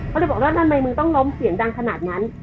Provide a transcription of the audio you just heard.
เขาเลยบอกว่าทำไมมึงต้องล้มเสียงดังขนาดนั้น